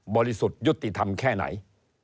สุทธิ์ยุติธรรมแค่ไหน